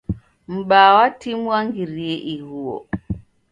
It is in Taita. M'baa wa timu wangirie iguo